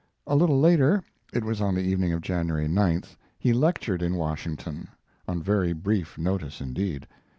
A little later (it was on the evening of January 9th) he lectured in Washington on very brief notice indeed.